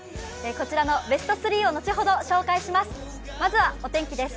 こちらのベスト３を後ほど紹介します。